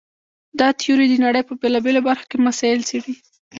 دا تیوري د نړۍ په بېلابېلو برخو کې مسایل څېړي.